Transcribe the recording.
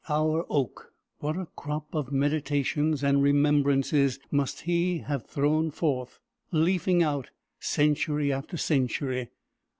Our oak! what a crop of meditations and remembrances must he have thrown forth, leafing out century after century.